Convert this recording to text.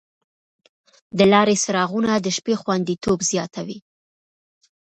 د لارې څراغونه د شپې خوندیتوب زیاتوي.